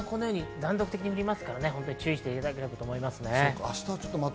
断続的に降るので注意していただければと思います。